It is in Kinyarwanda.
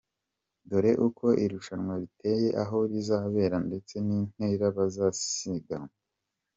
Dore uko irushanwa riteye aho rizabera, ndetse nintera bazasiganwa :